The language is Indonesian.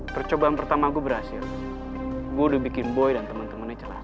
percobaan pertama gue berhasil gue udah bikin boy dan temen temennya celaka